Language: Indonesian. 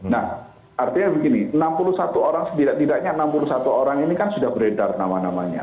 nah artinya begini enam puluh satu orang setidaknya enam puluh satu orang ini kan sudah beredar nama namanya